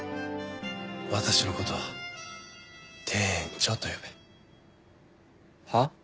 私のことは「店長」と呼べ。は？